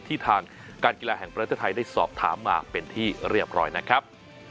ทางการกีฬาแห่งประเทศไทยได้สอบถามมาเป็นที่เรียบร้อยนะครับ